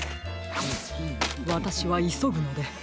わたしはいそぐので。